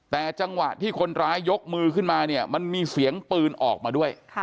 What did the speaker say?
แต่จังหวะที่คนร้ายยกมือขึ้นมาเนี่ยมันมีเสียงปืนออกมาด้วย